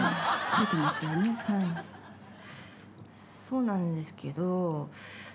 そうなんですが。